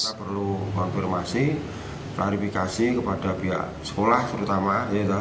kita perlu konfirmasi klarifikasi kepada pihak sekolah terutama